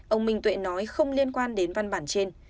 ông minh tuệ nói không liên quan đến văn bản trên